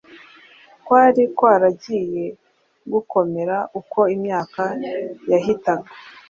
kwari kwaragiye gukomera uko imyaka yahitaga